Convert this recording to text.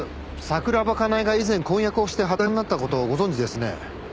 桜庭かなえが以前婚約をして破談になった事をご存じですね？